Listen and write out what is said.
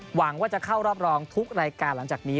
หวังว่าจะเข้ารอบรองทุกรายการหลังจากนี้